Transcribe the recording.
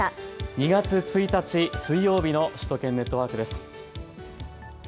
２月１日、水曜日の首都圏ネットワークです。